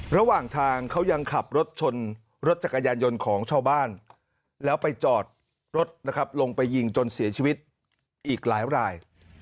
ระหว่างทางเขายังขับรถชนรถจักรยานยนต์ของชาวบ้านแล้วไปจอดรถนะครับลงไปยิงจนเสียชีวิตอีกหลายราย